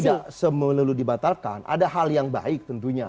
kalau kami tidak semenuruh dibatalkan ada hal yang baik tentunya